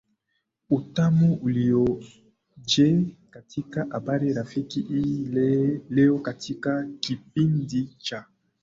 utamu ulioje katika habari rafiki hii leo katika kipindi cha